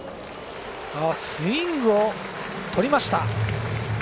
スイングをとりました。